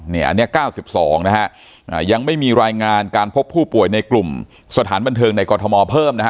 เนี่ยอันเนี้ยเก้าสิบสองนะฮะอ่ายังไม่มีรายงานการพบผู้ป่วยในกลุ่มสถานบันเทิงในกรทมอบเพิ่มนะฮะ